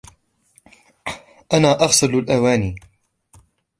أنا أغسل الأواني.